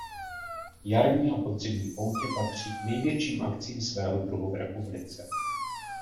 Jarní a podzimní poutě patří k největším akcím svého druhu v republice.